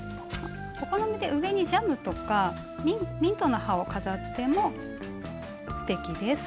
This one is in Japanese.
お好みで上にジャムとかミントの葉を飾ってもすてきです。